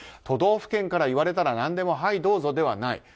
都道府県から言われたら何でも、はいどうぞではない。